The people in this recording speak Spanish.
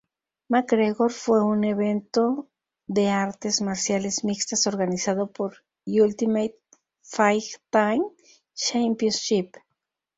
McGregor fue un evento de artes marciales mixtas organizado por Ultimate Fighting Championship.